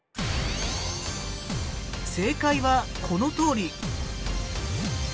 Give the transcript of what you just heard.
正解はこのとおり。